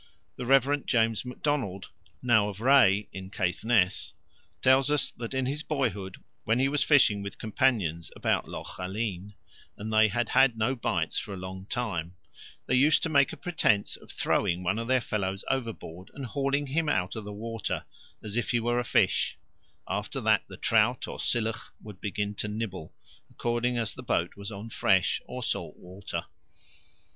The Rev. James Macdonald, now of Reay in Caithness, tells us that in his boyhood when he was fishing with companions about Loch Aline and they had had no bites for a long time, they used to make a pretence of throwing one of their fellows overboard and hauling him out of the water, as if he were a fish; after that the trout or silloch would begin to nibble, according as the boat was on fresh or salt water.